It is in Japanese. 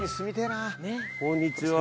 こんにちは。